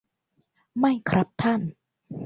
ไม่ครับท่าน